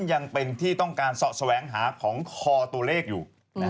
ยังเป็นที่ต้องการเสาะแสวงหาของคอตัวเลขอยู่